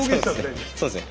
そうですね